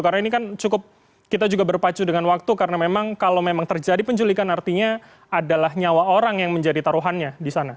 karena ini kan cukup kita juga berpacu dengan waktu karena memang kalau memang terjadi penculikan artinya adalah nyawa orang yang menjadi taruhannya di sana